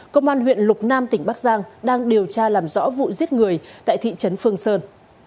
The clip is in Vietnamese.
công an huyện lục nam tỉnh bắc giang đang điều tra làm rõ vụ giết người tại thị trấn phương sơn